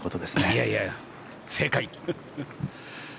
いやいや、正解！